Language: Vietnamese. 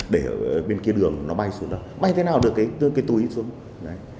để bên kia đường nó bay xuống đâu bay thế nào được cái túi xuống